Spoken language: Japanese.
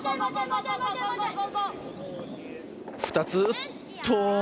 ２つ。